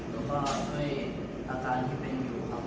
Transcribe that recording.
แล้วก็ด้วยอาการที่เป็นอยู่ครับ